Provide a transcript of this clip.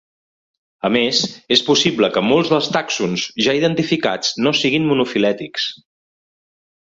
A més, és possible que molts dels tàxons ja identificats no siguin monofilètics.